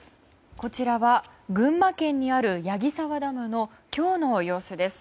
こちらは群馬県にある矢木沢ダムの今日の様子です。